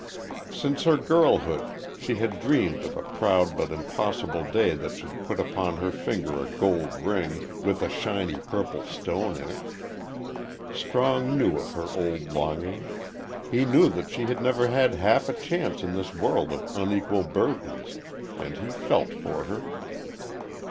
Since her girlhood' she had dreamed of a proud but impossible day that should put upon her finger a gold ring with a shiny, purple stone in it. Strong knew of her old longing. He knew that she had never had half a chance in this world of unequal burdens, and he felt for her.